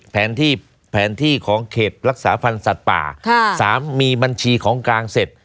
แผนที่แผนที่ของเขตรักษาพันธ์สัตว์ป่าสามมีบัญชีของกลางเสร็จ